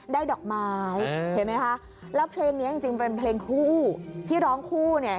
ดอกไม้เห็นไหมคะแล้วเพลงนี้จริงเป็นเพลงคู่ที่ร้องคู่เนี่ย